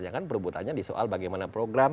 yang kan perbutanya di soal bagaimana program